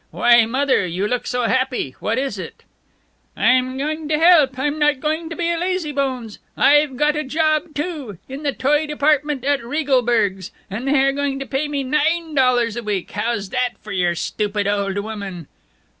"Why, Mother! You look so happy! What is it?" "I'm going to help! I'm not going to be a lazybones. I've got a job, too! In the toy department at Regalberg's. And they are going to pay me nine dollars a week. How's that for your stupid old woman?"